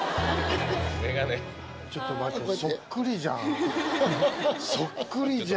眼鏡ちょっとマジでそっくりじゃん